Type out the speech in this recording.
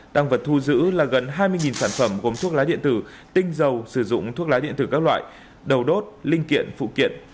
tăng vật thu giữ là gần hai mươi sản phẩm gồm thuốc lá điện tử tinh dầu sử dụng thuốc lá điện tử các loại đầu đốt linh kiện phụ kiện